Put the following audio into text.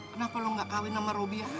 kenapa lo gak kawin sama robi aja